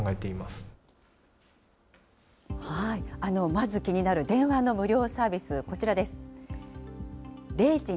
まず気になる電話の無料サービス、こちらです。